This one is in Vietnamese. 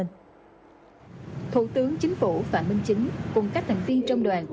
thủ tướng chính phủ phạm minh chính cùng các thành viên trong đoàn